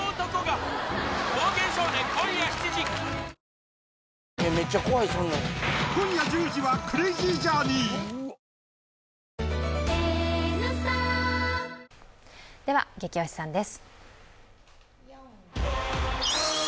くださいでは、「ゲキ推しさん」です。